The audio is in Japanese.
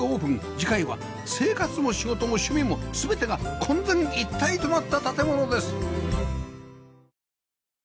次回は生活も仕事も趣味も全てが混然一体となった建物です